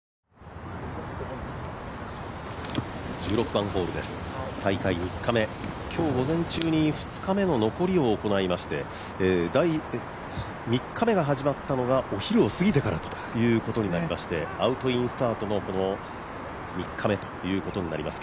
１６番ホールです、大会３日目今日午前中に２日目の残りを行いまして３日目が始まったのがお昼を過ぎてからということでアウトインスタートの３日目ということになります